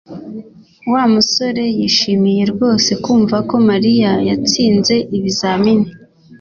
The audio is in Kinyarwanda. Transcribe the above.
Wa musore yishimiye rwose kumva ko Mariya yatsinze ibizamini